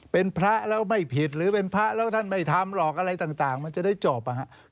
เป็นพระแล้วไม่ผิดหรือเป็นพระแล้วท่านไม่ทำหรอกอะไรต่างมันจะได้จบ